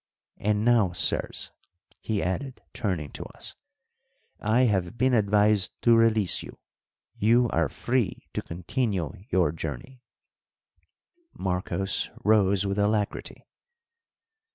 And now, sirs," he added, turning to us, "I have been advised to release you; you are free to continue your journey." Marcos rose with alacrity.